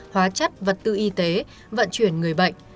hóa chất vật tư y tế vận chuyển người bệnh